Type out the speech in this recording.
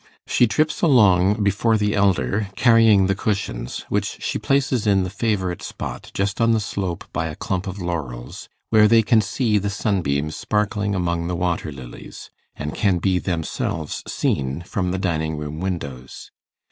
She trips along before the elder, carrying the cushions, which she places in the favourite spot, just on the slope by a clump of laurels, where they can see the sunbeams sparkling among the water lilies, and can be themselves seen from the dining room windows.